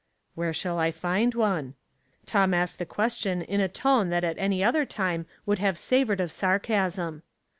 *' Where shall I find one?" Tom asked the question in a tone that at any other time would have savored of sarcasm.